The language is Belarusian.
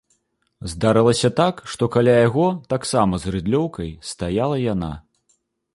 Здарылася так, што каля яго, таксама з рыдлёўкай, стаяла яна.